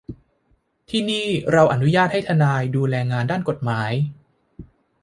ที่นี่เราอนุญาตให้ทนายดูแลงานด้านกฎหมาย